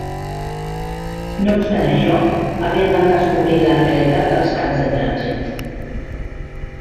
No obstant això, aviat van descobrir la realitat dels camps de trànsit.